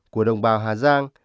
của đồng bào hà giang